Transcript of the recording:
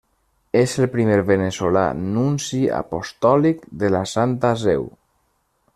És el primer veneçolà nunci apostòlic de la Santa Seu.